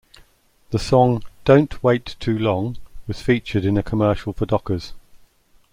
The song "Don't Wait Too Long" was featured in a commercial for Dockers.